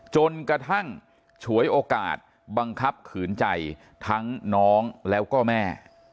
จนกระทั่งฉวยโอกาสบังคับขืนใจทั้งน้องแล้วก็แม่